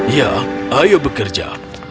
ya ayo bekerja